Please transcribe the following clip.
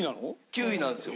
９位なんですよ。